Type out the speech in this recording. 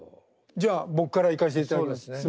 じゃあ僕からいかしていただきます。